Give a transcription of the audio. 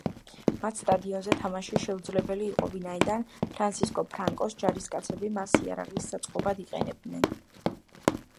მათ სტადიონზე თამაში შეუძლებელი იყო, ვინაიდან ფრანსისკო ფრანკოს ჯარისკაცები მას იარაღის საწყობად იყენებდნენ.